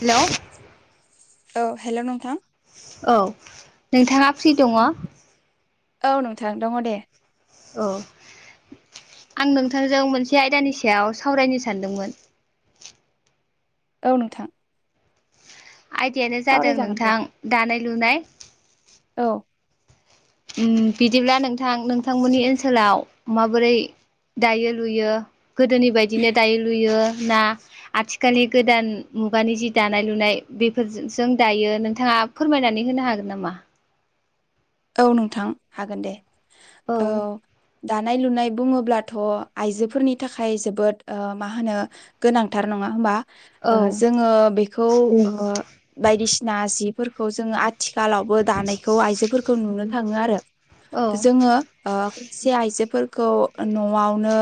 हेल' औ हेल' नोंथां औ नोंथाङा फ्रि दङ औ नोंथां दङ दे औ आं नोंथांजों मोनसे आयदानि सायाव सावरायनो सानदोंमोन औ नोंथां आयदायानो जादों सावरायजागोन दे नोंथां दानाय लुनाय औ बिदिब्ला नोंथां नोंथांमोननि ओनसोलाव माबोरै दायो लुयो गोदोनि बायदिनो दायो लुयो ना आथिखालनि गोदान मुगानि जि दानाय लुनाय बेफोरजों दायो नोंथाङा फोरमायनानै होनो हागोन नामा औ नोंथां हागोन दे। औ। दानाय लुनाय बुङोब्लाथ' आइजोफोरनि थाखाय जोबोद ओ मा होनो गोनांथार। नङा होमबा? औ ओ जोङो बेखौ ओ बायदिसिना जिफोरखौ जोङो आथ आथिखालावबो दानायखौ आइजोफोर खौ‌ नुनो थाङो आरो। औ जोङो ओ खायसे आइजोफोर खौ न'आवनो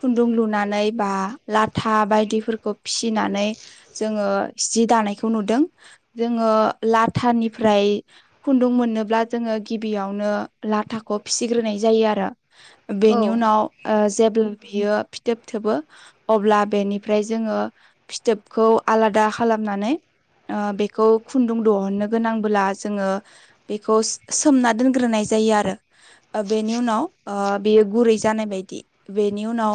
खुन्दुं लुनानै बा लाथा बायदिफोरखौ फिसि नानै जोङो जि दानायखौ नुदों। जोङो लाथानिफ्राय खुन्दुं मोनोब्ला जोङो गिबियावनो लाथाखौ फिसिग्रोनाय जायो आरो औ बेनि उनाव ओ जे बियो फिथोब थोबो अब्ला बेनिफ्राय जोङो फिथोबखौ आलादा खालामनानै ओ बेखौ खुन्दुं दुहननो गोनांबोला जोङो बेखौ सोमना दोनग्रोनाय जायो आरो। ओ बेनि उनाव ओ बेयो गुरै जानाय बायदि। बेनि उनाव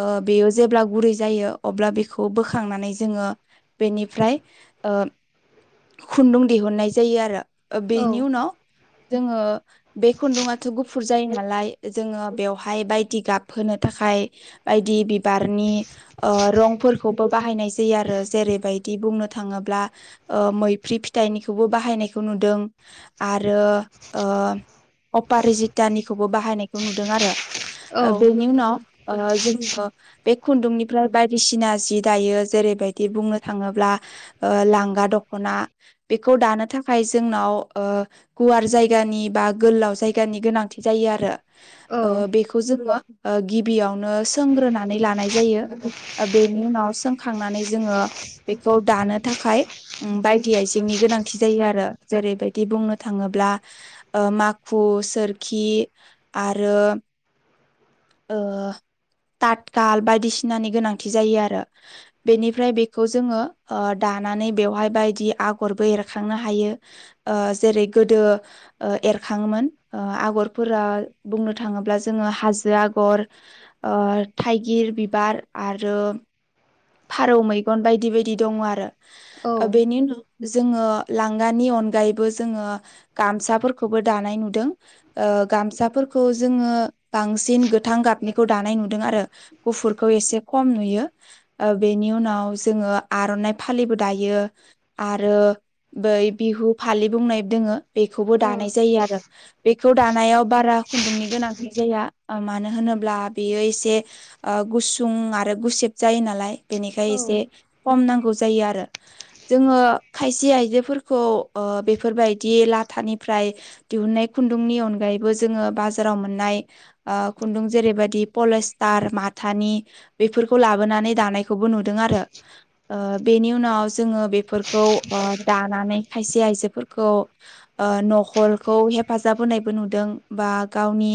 ओ बेयो जेब्ला गुरै जायो अब्ला बेखौ बोखांनानै जोङो बेनिफ्राय ओ खुन्दुं दिहुननाय जायो आरो। ओ औ बेनि उनाव जोङो बे खुन्दुङाथ' गु फुरजायो नालाय जोङो बेवहाय बायदि गाबहोनो थाखाय बायदि बिबारनि ओ रंफोरखौबो बाहायनाय जायो आरो जेरैबायदि बुंनो थाङोब्ला ओ मैफ फ्रि फिथाइनिखौबो बाहायनायखौ नुदों आरो ओ अपारजितानिखौबो बाहायनायखौ नुदों आरो औ ओ बेनि उनाव ओ जों ओ बे खुन्दुंनिफ्राय बायदिसिना जि दायो। जेरैबायदि बुंनो थाङोब्ला। ओ लांगा दख'ना बेखौ दानो थाखाय जोंनाव ओ गुवार जायगानि बा गोलाव जायगानि गोनांथि जायो आरो। ओ बेखौ जोङो ओ गिबियावनो सोंग्रोनानै लानाय जायो ओ बेनि उनाव सोंखांनानै जोङो बेखौ दानो थाखाय ओम बायदि आइजेंनि गोनांथि जायो आरो जेरैबायदि बुंनो थाङोब्ला ओ माखु सोरखि आरो ओ तातकाल बायदिसिनानि गोनांथि जायो आरो बेनिफ्राय बेखौ जोङो ओ दा दानानै बेवहाय बायदि आगरबो एरखांनो हायो ओ जेरै गोदो ओ एरखाङोमोन आगरफोरा बुंनो थाङोब्ला जोङो हाजो आगर ओ थाइगिर बिबार आरो फारौ मैगन बायदि बायदि दङ आरो औ बेनि ओ उनाव जोङो लांगानि अनगायैबो जोङो गामसाफोरखौबो दानाय नुदों ओ गामसा खौ जोङो बांसिन गोथां गाबनिखौ दानाय नुदों आरो गुफुरखौ एसे खम नुयो। [unintelligible] ओ बेनि उनाव जोङो आर'नाइ फालिबो दायो आरो बै बिहु बिहु फालि बुंनाय दोङो बेखौबो दानाय औ जायो आरो बेखौ दानायाव बारा खुन्दुंनि गोनांथि जाया मानो होनोब्ला बेयो एसे ओ गुसुं आरो गुसेब जायो नालाय बेनिखाय औ एसे खम नांगौ जायो आरो जोङो खायसे आयजोफोरखौ ओ बेफोरबायदि लाथानिफ्राय दिहुननाय खुन्दुंनि अनगायैबो जोङो बाजाराव मोननाय ओ खुन्दुं जेरैबायदिार माथानि बेफोरखौ लाबोनानै दानाय [unintelligible] ओ नुदों आरो ओ बेनि उनाव जोंङो बेफोरखौ ओ दानानै खायसेया आजोफोरखौ न'खरखौ ओ हेफाजाब होनायबो नुदों बा गावनि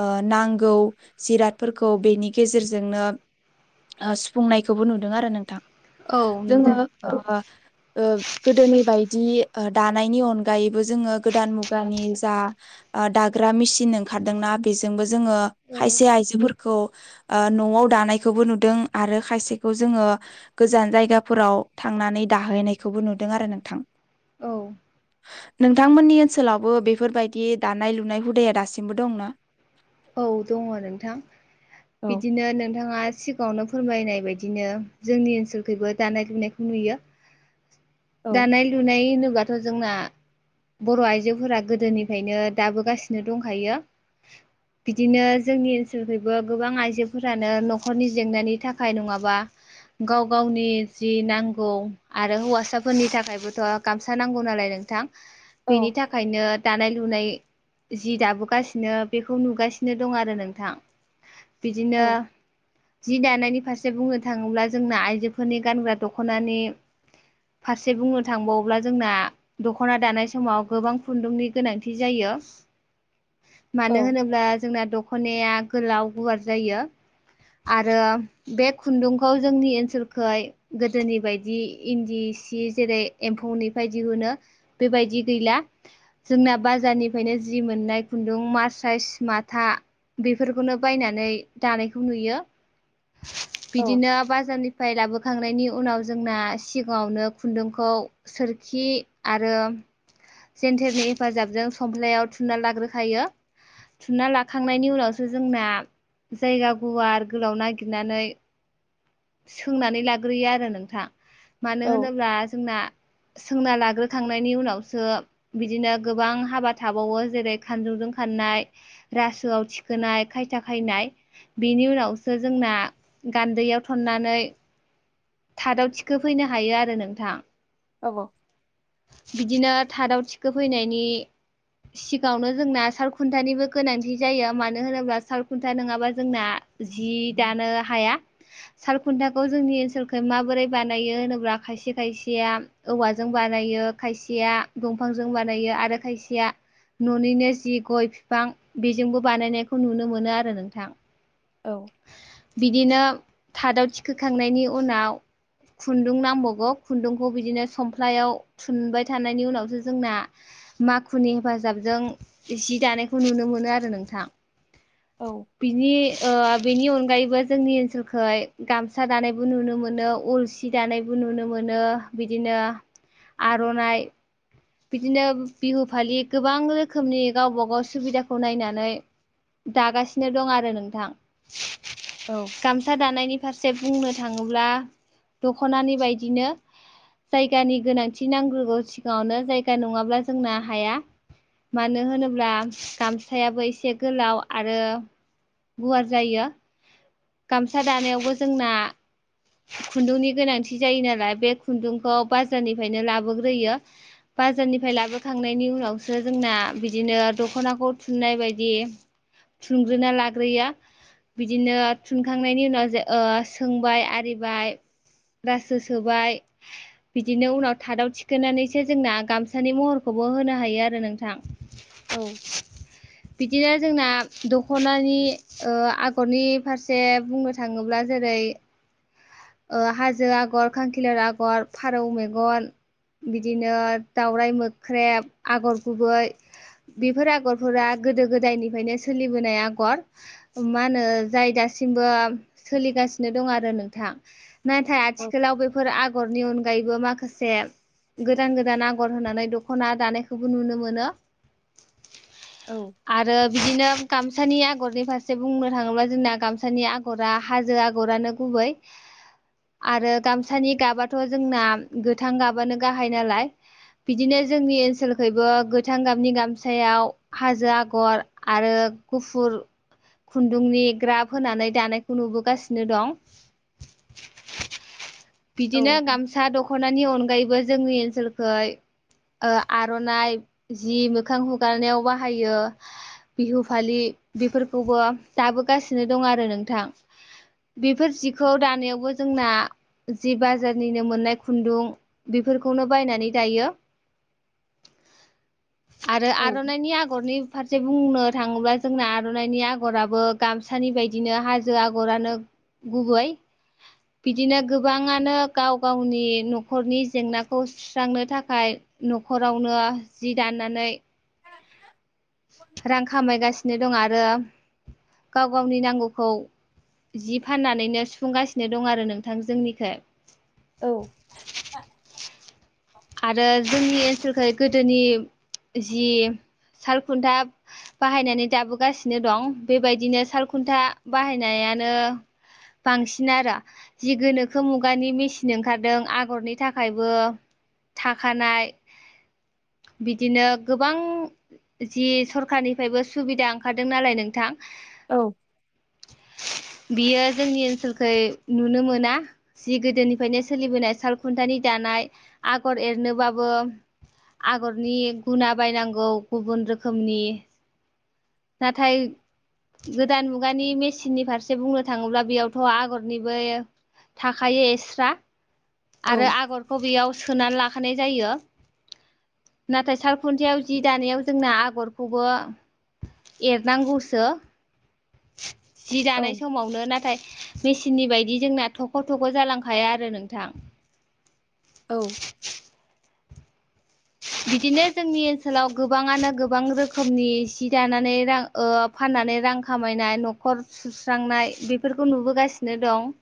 ओ नांगौ जिरादफोरखौ बेनि गेजेरजोंनो बुंनायखौबो नुदों आरो नोंथां औ जोङो नुदों ओ ओ गोदोनि बायदि ओ दानायनि अनगायैबो जोङो गोदान मुगानि जा ओ दाग्रा मेसिन ओंखारदोंना बेजोंबो जोङो खायसे औ आयजोफोरखौ ओ न'आव दानायखौबो नुदों। आरो खायसेखौ जोङो गोजान जायगाफोराव थांनानै दाहोननायखौबो नुदों आरो नोंथां। औ नोंथांमोननि ओनसोलावबो बेफोरबायदि दानाय लुनाय हुदाया दासिमबो दंना? औ दङ नोंथां औ बिदिनो नोंथाङा सिगाङावनो फोरमायनाय बायदिनो जोंनि ओनसोलखैबो दानाय लुनायखौ नुयो। औ दानाय लुनाय होनोबाथ' जोंना बर' आइजोफोरा गोदोनिफ्रायनो दाबोगासिनो दंखायो। बिदिनो जोंनि ओनसोलखैबो गोबां आइजोफोरानो न'खरनि जेंनानि थाखाय नङाबा गाव गावनि जि नांगौ आरो हौवासाफोरनि थाखायबोथ' गामसा नांगौ नालाय नोंथां। औ बेनि थाखायनो दानाय लुनाय जि दाबोगासिनो बेखौ नुुबो गासिनो दं आरो नोंथां औ बिदिनो जि दानायनि फारसे बुंनो थाङोब्ला जोंना आइजोफोरनि गानग्रा दख'नानि फारसे बुंनो थांबावोब्ला जोंना दख'ना दानाय समाव गोबां खुन्दुंनि गोनांथि जायो। मानो औ होनोब्ला जोंना दखनाया गोलाव गुवार जायो। आरो बे खुन्दुंखौ जोंनि ओनसोलखै गोदोनि बायदि इन्दि सि जेरै एम्फौनिफ्राय दिहुनो बेबायदि गैला जोंना बाजारनिफ्रायनो जि मोननाय खुन्दुं मार्चाइस मा था बेफोरखौनो बायनानै दानायखौ नुयो। औ बिदिनो बाजारनि फ्राय लाबोखांनायनि उनाव जोंना सिगाङावनो खुन्दुंखौ सोरखि आरो जेन्थेरनि हेफाजाबजों समफ्लायाव थुना लाग्रोखायो। थुनना लाखांनायनि उनावसो जोंना जायगा गुवार गोलाव नागिरनानै सोंनानै लाग्रोयो आरो नोंथां मानो औ होनोब्ला जोंना सोंना लाग्रोखांनायनि उनावसो बिदिनो गोबां हाबा थाबावो जेरै खानजंजों फाननाय रासोआव थिखोनाय खायथा खायनाय बेनि उनावसो जोंना गान्दैयाव थननानै थादाव थिखोफैनो हायो आरो नोंथां आब' औ बिदिनो थादाव थिखोफैनायनि सिगाङावनो जोंना सालखुन्थानिबो गोनांथि जायो मानो होनोब्ला साल खुन्था नङाबा जोंना जि दानो हाया सालखुन्थाखौ जोंनि ओनसोलख माबोरै बानायो होनोब्ला खायसे खायसेया औवाजों बानायो खायसेया दंफांजों बानायो आरो खायसेया न'निनो जि गय बिफां बेजोंबो बानायनायखौ नुनो मोनो आरो नोंथां औ बिदिनो थादाव थिखोखांनायनि उनाव खुन्दुं नांबावगौ खुन्दुंखौ बिदिनो सफ्लायाव थुनबाय थानायनि उनावसो जोंना माखुनि हेफाजाबजों जि दानायखौ नुनो मोनो आरो नोंथां औ बिनि ओ बेनि अनगायैबो जोंनि ओनसोलखाय गामसा दानायबो नुनो मोनो अलसि दानायबो नुनो मोनो नुनो मोनो बिदिनो आर'नाइ बिदिनो बिहु फालि गोबां रोखोमनि गावबा गाव सुबिदाखौ नायनानै दागासिनो दं आरो नोंथां औ गामसा दानायनि फारसे जे बुंनो थाङोब्ला दख'नानि बायदिनो जायगानि गोनांथि नांग्रोगौ सिगाङावनो जायगा नङाब्ला जोंना हाया मानो होनोब्ला गामसायाबो एसे गोलाव आरो गुवार जायो गामसा दानायावबो जोंना खुन्दुंनि गोनांथि जायो नालाय बे खुन्दुंखौ बाजारनिफ्रायनो लाबोग्रोयो बाजारनिफ्राय लाबोखांनायनि उनावसो जोंना बिदिनो दख'नाखौ थुननाय बायदि थुंग्रोना लाग्रोयो बिदिनो थुनखांनायनि उनाव सोंबाय आरिबाय रासो सोबाय बिदिनो उनाव थादाव थिखोनानैसो जोंना गामसानि महरखौ बो होनो हायो आरो नोंथां औ बिदिनो जोंना दख'नानि ओ आगरनि फारसे बुंनो थाङोब्ला जेरै ओइ ओ हाजो आगर, खांखिलार आगर, फारौ मेगन, बिदिनो दाउराइ मोख्रेब, आगर गुबै, बेफोर आगरफोरा गोदो गोदायनिफ्रायनो सोलिबोनाय आगर। मा होनो जाय दा सिमबो सोलिगासिनो दं आरो नोंथां। नाथाय आथिखालाव बेफोर आगरनि अन गायबो माखासे गोदान गोदान आगर होनानै दख'ना दानायखौबो नुनो मोनो। औ आरो बिदिनो गामसानि आगरनि फारसे बुंनो थाङोब्ला जोंना गामसानि आगरा हाजो आगरानो गुबै [inaudible] आरो गामसानि गाबाथ' जोंना गोथां गाबानो गाहाय नालाय बिदिनो जोंनि ओनसोलखैबो गोथां गाबनि गामसायाव हाजो आगर आरो गुफुर खुन्दुंनि ग्रााब होनानै दानायखौ नुबोगासिनो दं। बिदिनो गामसा दख'नानि अनगायैबो जोंनि ओनसोलखै ओ आर'नाइ जि मोखां हुगारनायाव बाहायो, बिहु फालि, बेफोरखौबो दाबोगासिनो दं आरो नोंथां। बेफोर जि खौ दानायावबो जोंना जि बाजारनिनो मोननाय खुन्दुं बेफोरखौनो बायनानै दायो। आरो आर'नाइनि आगरनि फारसे बुंनो थाङोब्ला जोंना आर'नाइनि आगराबो गामसानि बायदिनो हाजो आगरानो गुबै बिदिनो गोबाङानो गाव गावनि न'खरनि जेंनाखौ सुस्रांनो थाखाय न'खरावनो जि दाननानै रां खामायगासिनो दं आरो गाव गावनि नांगौखौ जि फाननानैनो सुफुंगासिनो दं आरो नोंथां जोंनिखौ औ आरो जोंनि ओनसोलखाय गोदोनि जि सालखुन्था बाहायनानै दाबोगासिनो दं बेबायदिनो सालखुन्था बाहायनाया आनो बांसिन आरो जि गोनोखो मुगानि मेसिन ओंखारदों आगरनि थाखायबो थाखानाय बिदिनो गोबां जि सरखारनिफ्रायबो सुबिदा ओंखारदों नालाय नोंथां औ [unintelligible] बियो जोंनि ओनसोलखै नुनो मोना जि गोदोनिफ्रायनो सोलिबोनाय सालखुन्थानि दान नाय आगर एरनोबाबो आगरनि गुना बायनांगौ गुबुन रोखोमनि नाथाय गोदान मुगानि मेचननि फारसे बुंनो थाङोब्ला बेयावथ' आगरनिबो थाखायो एक्सट्रा औ आरो आगरखौ बेयाव सोनानै लाखानाय जायो नाथाय सालखुन्थियाव जि दानायाव जोंना आगरखौबो एरनांगौसो जि औ दानाय समावनो नाथाय मेसिननि बायदि जोंना थख' थख' जालांखाया आरो नोंथां औ बिदिनो जोंनि ओनसोलाव गोबाङानो गोबां रोखोमनि सि दानानै रां ओ फान नानै रां खामायनाय न'खर सुस्रांनाय बेफोरखौ नुबोगासिनो दं।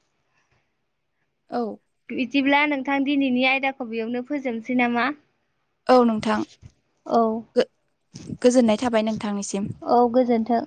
औ बिदिब्ला नोंथां दिनैनि आयदाखौ बेयावनो फोजोबनोसै नामा? औ नोंथां। औ गो-गोजोननाय थाबाय नोंथांनिसिम। औ गोजोन्थों।